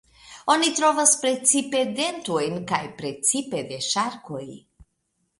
Oni trovas precipe dentojn, kaj precipe de ŝarkoj.